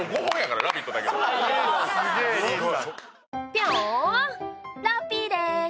ぴょん、ラッピーです。